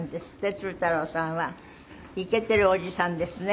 鶴太郎さんは。イケてるおじさんですね。